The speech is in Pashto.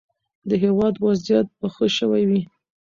د هیواد وضعیت به ښه شوی وي.